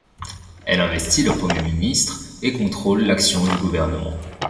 Elle investit le Premier ministre et contrôle l'action du gouvernement.